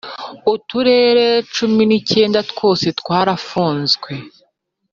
uturere cumi n’icyenda twose twarafunzwe.